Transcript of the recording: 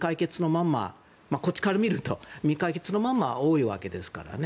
こっちから見ると未解決のままが多いわけですからね。